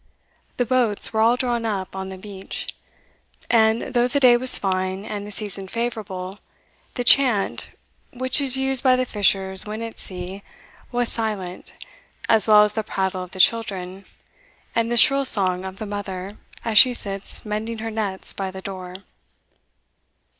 The boats were all drawn up on the beach; and, though the day was fine, and the season favourable, the chant, which is used by the fishers when at sea, was silent, as well as the prattle of the children, and the shrill song of the mother, as she sits mending her nets by the door.